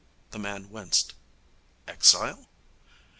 The man winced. 'Exile?'